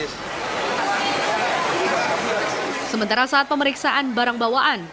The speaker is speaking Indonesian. sementara saat pemeriksaan barang bawaan